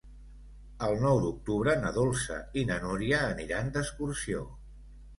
El nou d'octubre na Dolça i na Núria aniran d'excursió.